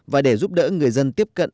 và để giúp đỡ người dân tiếp cận